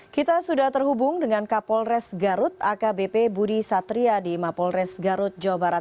kita sudah terhubung dengan kapolres garut akbp budi satria di mapolres garut jawa barat